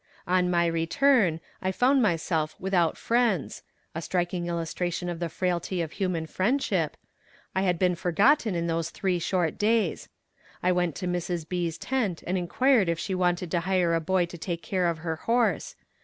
On my return, I found myself without friends a striking illustration of the frailty of human friendship I had been forgotten in those three short days. I went to Mrs. B.'s tent and inquired if she wanted to hire a boy to take care of her horse.